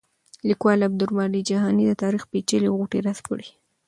لیکوال عبدالباري جهاني د تاریخ پېچلې غوټې راسپړي.